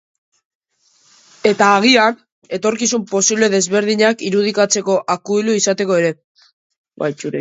Eta, agian, etorkizun posible desberdinak irudikatzeko akuilu izateko ere.